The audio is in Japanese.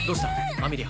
アメリア？